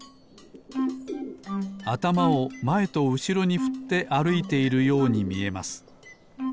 あたまをまえとうしろにふってあるいているようにみえます。